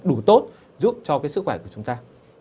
đủ tốt giúp cho sức khỏe của chúng ta